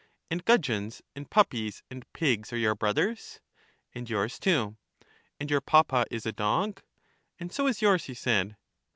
And gudgeons and puppies and pigs are your brothers. And yours too. And your papa is a dog. And so is yours, he said.